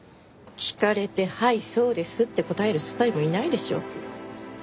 聞かれて「はいそうです」って答えるスパイもいないでしょ。